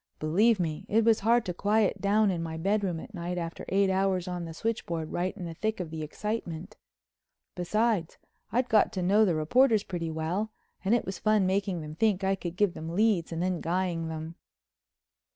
Believe me, it was hard to quiet down in my bedroom at night after eight hours at the switchboard right in the thick of the excitement. Besides, I'd got to know the reporters pretty well and it was fun making them think I could give them leads and then guying them.